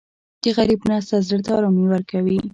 د غریب مرسته زړه ته ارامي ورکوي.